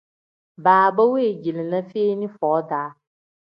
Baaba wengilinaa feeni foo-daa.